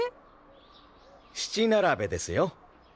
七並べですよ。